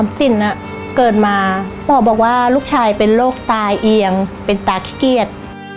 สินเกิดมาหมอบอกว่าลูกชายเป็นโรคตาเอียงเป็นตาขี้เกียจ